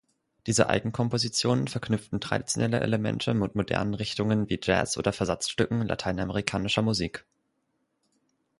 Diese Eigenkompositionen verknüpften traditionelle Elemente mit modernen Richtungen wie Jazz oder Versatzstücken lateinamerikanischer Musik.